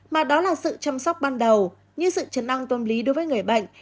mà đó là sự chăm sóc ban đầu như sự chấn năng tôn lý đối với người bệnh